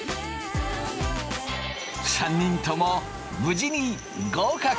３人とも無事に合格。